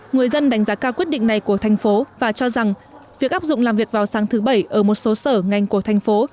người dân đánh giá cao quyết định này của thành phố và cho rằng việc áp dụng làm việc vào sáng thứ bảy ở một số sở ngành của thành phố